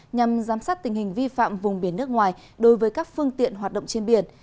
nhằm giám sát tình hình vi phạm vùng biển nước ngoài đối với các phương tiện hoạt động trên biển